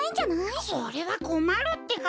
それはこまるってか。